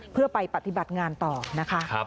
เพื่อไปปฏิบัติงานต่อนะคะ